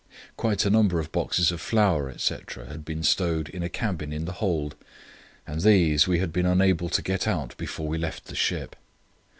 Quite a number of boxes of flour, etc., had been stowed in a cabin in the hold, and these we had been unable to get out before we left the ship.